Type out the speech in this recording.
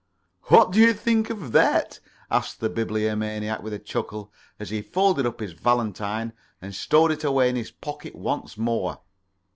"What do you think of that?" asked the Bibliomaniac, with a chuckle, as he folded up his valentine and stowed it away in his pocket once more.